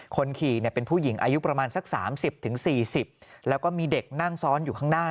คนขี่เป็นผู้หญิงอายุประมาณสัก๓๐๔๐แล้วก็มีเด็กนั่งซ้อนอยู่ข้างหน้า